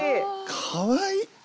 かわいい！